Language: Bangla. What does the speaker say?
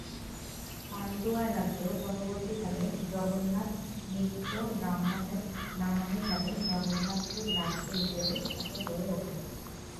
পান্ডুয়া রাজ্য পরবর্তীকালে জগন্নাথ মিশ্র ব্রাহ্মণের নামানুসারে জগন্নাথপুর রাজ্য হিসেবে খ্যাত হয়ে ওঠে।